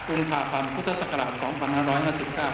๑๕อุงคาภัมธ์พุทธศักราช๒๕๕๙